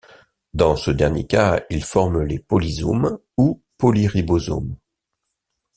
Dans ce dernier cas ils forment les polysomes ou polyribosomes.